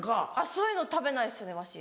そういうの食べないですねわし。